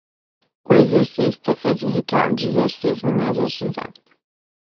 O exorcista fez o ritual de exorcismo na exorcizada